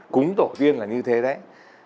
cúng tổ tiên là như thế đấy